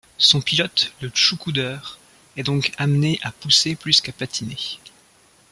Son pilote, le tshukudeur, est donc amener à pousser plus qu'à patiner.